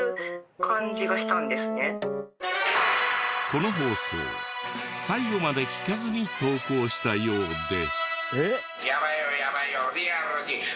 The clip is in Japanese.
この放送最後まで聞かずに投稿したようで。